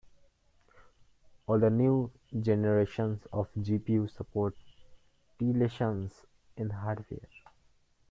All new generations of GPUs support tesselation in hardware.